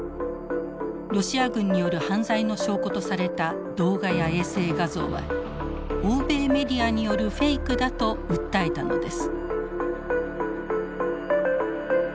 ロシア軍による犯罪の証拠とされた動画や衛星画像は欧米メディアによるフェイクだと訴えたのです。